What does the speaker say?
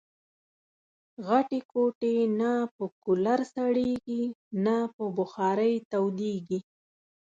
غټي کوټې نه په کولرسړېږي ، نه په بخارۍ تودېږي